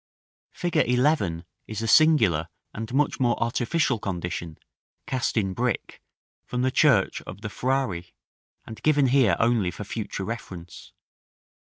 § IX. Fig. 11 is a singular and much more artificial condition, cast in brick, from the church of the Frari, and given here only for future reference.